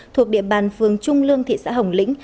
thuộc địa bàn phường trung lương thị xã hồng lĩnh